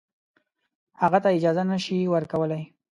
هغه ته اجازه نه شي ورکولای.